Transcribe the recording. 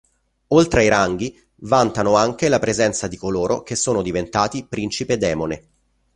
Oltre ai ranghi vantano anche la presenza di coloro che sono diventati Principe Demone.